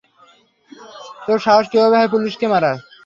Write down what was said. তোর সাহস কিভাবে হয় পুলিশকে মারার?